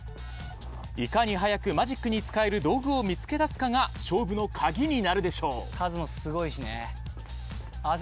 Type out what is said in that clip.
いかに早くマジックに使える道具を見つけ出すかが勝負の鍵になるでしょう。